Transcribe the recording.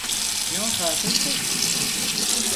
Ne o Hafız bey?